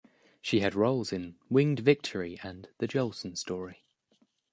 She had roles in "Winged Victory" and "The Jolson Story".